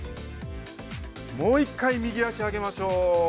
もう１回、右脚を上げましょう。